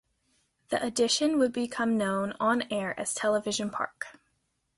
The addition would become known on-air as Television Park.